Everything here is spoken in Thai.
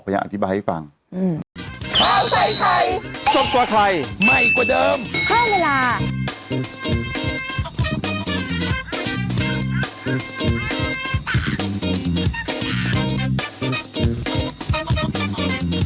พยายามอธิบายให้ฟัง